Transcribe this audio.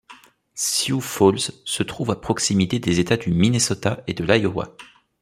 Sioux Falls se situe à proximité des États du Minnesota et de l’Iowa.